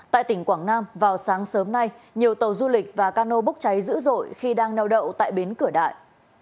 tại tỉnh quảng nam vào sáng sớm nay nhiều tàu du lịch và cano bốc cháy dữ dội khi đang neo đậu tại bến cửa đại